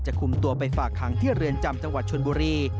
คุมตัวไปฝากหางที่เรือนจำจังหวัดชนบุรี